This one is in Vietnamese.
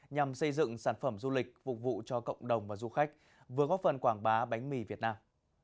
nhằm xây dựng sản phẩm du lịch phục vụ cho cộng đồng và du khách vừa góp phần quảng bá bánh mì việt nam